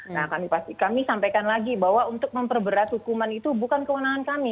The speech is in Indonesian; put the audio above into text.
nah kami pasti kami sampaikan lagi bahwa untuk memperberat hukuman itu bukan kewenangan kami